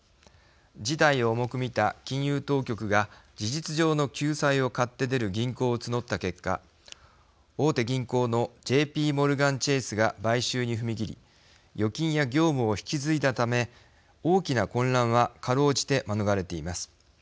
事態を重く見た金融当局が事実上の救済を買って出る銀行を募った結果大手銀行のＪＰモルガン・チェースが買収に踏み切り預金や業務を引き継いだため大きな混乱はかろうじて免れています。